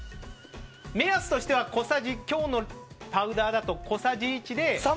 目安としては今日のパウダーだと小さじ１で。